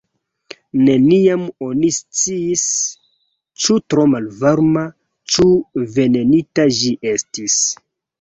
Neniam oni sciis, ĉu tro malvarma, ĉu venenita ĝi estis.